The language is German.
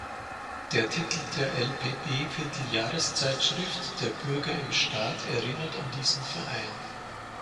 Der Titel der LpB-Vierteljahreszeitschrift „Der Bürger im Staat“ erinnert an diesen Verein.